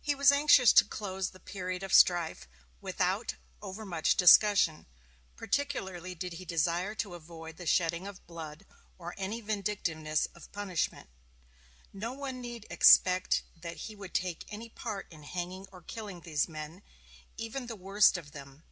He was anxious to close the period of strife without over much discussion. Particularly did he desire to avoid the shedding of blood, or any vindictiveness of punishment. "No one need expect that he would take any part in hanging or killing these men, even the worst of them."